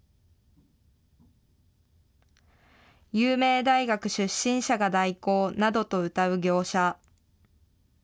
有名大学出身者が代行などとうたう業者。